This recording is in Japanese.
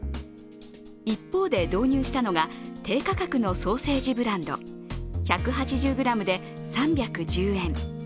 一方で導入したのが低価格のソーセージブランド、１８０ｇで３１０円。